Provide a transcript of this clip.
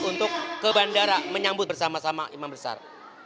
untuk ke bandara menyambut bersama sama imam besar